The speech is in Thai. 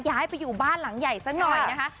ย้ายไปอยู่บ้านหลังใหญ่ซะหน่อยนะคะ